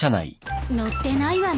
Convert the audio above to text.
乗ってないわね